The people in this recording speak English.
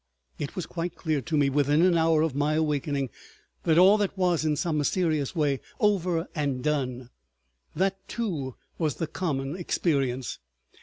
It was quite clear to me, within an hour of my awakening, that all that was, in some mysterious way, over and done. That, too, was the common experience.